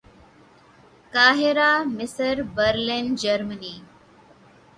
قاہرہ مصر برلن جرمنی